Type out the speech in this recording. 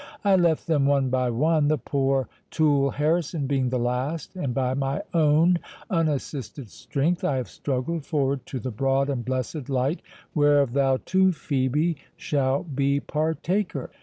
I left them one by one, the poor tool Harrison being the last; and by my own unassisted strength, I have struggled forward to the broad and blessed light, whereof thou too, Phœbe, shalt be partaker."